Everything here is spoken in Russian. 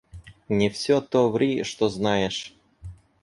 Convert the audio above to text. – Не все то ври, что знаешь.